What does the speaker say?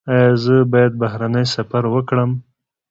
ایا زه باید بهرنی سفر وکړم؟